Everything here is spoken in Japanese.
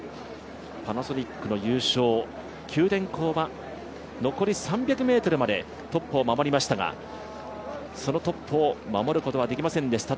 パナソニックの優勝、九電工は残り３００ｍまでトップを守りましたが、そのトップを守ることはできませんでした。